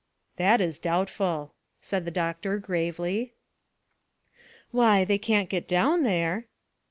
"That is doubtful," said the doctor gravely. "Why, they can't get down there."